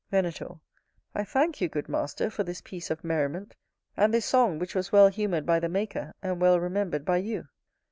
Venator. I thank you, good master, for this piece of merriment, and this song, which was well humoured by the maker, and well remembered by you.